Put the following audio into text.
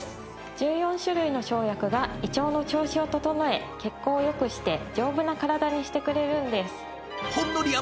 １４種類の生薬が胃腸の調子を整え血行を良くして丈夫な体にしてくれるんです。